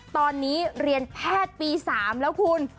ตอนนี้เรียนแพทย์ปี๓แล้วคุณ